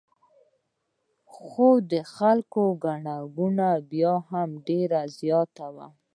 خو د خلکو ګڼه ګوڼه بیا هم ډېره زیاته وه.